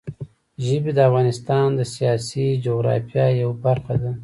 ژبې د افغانستان د سیاسي جغرافیه یوه برخه ده.